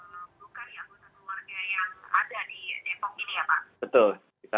melukai anggota keluarga yang ada di depok ini ya pak